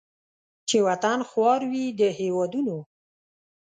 چې وطن خوار وي د هیوادونو